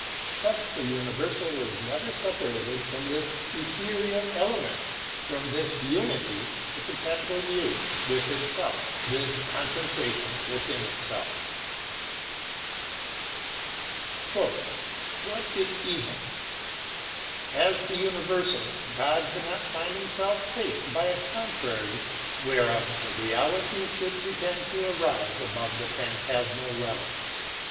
Thus the universal is never separated from this ethereal [pg 145]element, from this Unity with itself, this concentrationwithin itself. IV. What is Evil? As the universal, God could not find Himself faced by a contrary whereof the reality should pretend to rise above the phantasmal level.